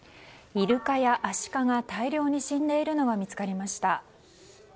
イルカやアシカが大量に死んでいるのが見つかりました。